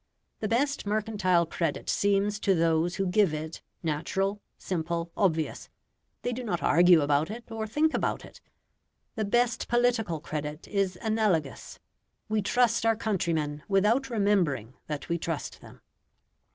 The best mercantile credit seems to those who give it, natural, simple, obvious; they do not argue about it, or think about it. The best political credit is analogous; we trust our countrymen without remembering that we trust them.